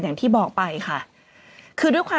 อย่างที่บอกไปค่ะ